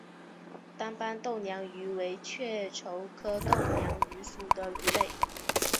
单斑豆娘鱼为雀鲷科豆娘鱼属的鱼类。